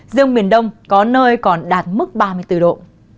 riêng miền đông có nơi còn đạt mức ba mươi bốn độ